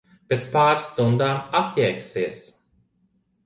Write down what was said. Pēc pāris stundām atjēgsies.